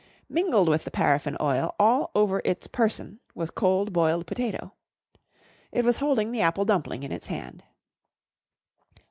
Mingled with the paraffin oil all over its person was cold boiled potato. It was holding the apple dumpling in its hand.